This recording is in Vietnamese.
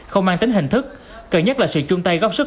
không mang tính hình thức cần nhất là sự chung tay góp sức